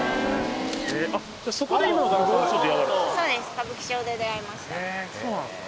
歌舞伎町で出会いました。